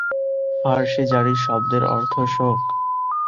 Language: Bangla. ফার্সি জারি শব্দের অর্থ শোক।